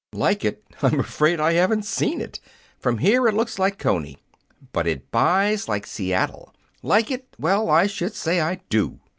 "Like it! I'm afraid I haven't seen it. From here it looks like Coney. But it buys like Seattle. Like it! Well, I should say I do!"